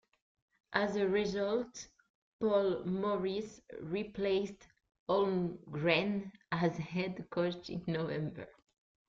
As a result, Paul Maurice replaced Holmgren as head coach in November.